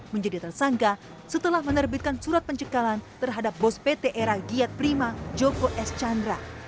menjadi tersangka setelah menerbitkan surat pencekalan terhadap bos pt era giat prima joko s chandra